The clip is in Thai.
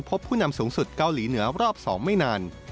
ผู้นำสูงสุดเกาหลีเหนือรอบ๒ไม่นาน